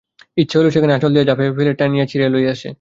ইচ্ছা হইল, সেখানা আঁচল দিয়া ঝাঁপিয়া ফেলে, টানিয়া ছিঁড়িয়া লইয়া আসে।